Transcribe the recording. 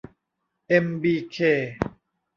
เอ็ม บี เค